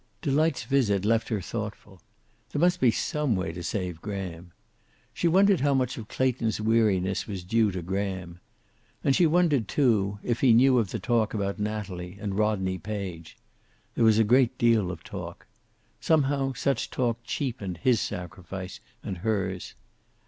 Delight's visit left her thoughtful. There must be some way to save Graham. She wondered how much of Clayton's weariness was due to Graham. And she wondered, too, if he knew of the talk about Natalie and Rodney Page. There was a great deal of talk. Somehow such talk cheapened his sacrifice and hers.